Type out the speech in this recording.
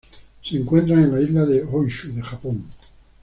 Se encuentran en la isla de Honshu de Japón.